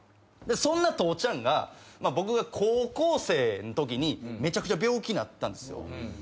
そんな父ちゃんが僕が高校生のときにめちゃくちゃ病気なったんですよ。